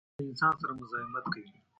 مچان له انسان سره مزاحمت کوي